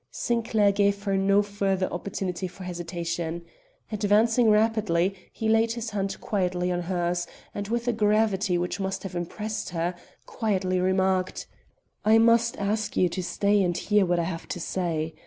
Sinclair gave her no further opportunity for hesitation. Advancing rapidly, he laid his hand quietly on hers, and with a gravity which must have impressed her, quietly remarked: "I must ask you to stay and hear what I have to say.